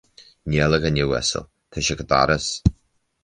Níl, a dhuine uasail, tá sí ag an doras